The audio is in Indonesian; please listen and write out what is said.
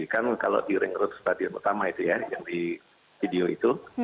kan kalau di ring road stadion utama itu ya yang di video itu